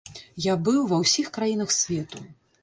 Я быў ва ўсіх краінах свету.